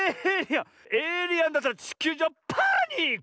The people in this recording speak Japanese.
エイリアンだったらちきゅうじょうはパニック！